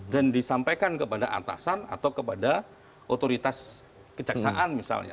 dan disampaikan kepada atasan atau kepada otoritas kejaksaan misalnya